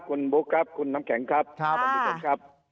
คุณบุคครับคุณน้ำแข็งครับครับ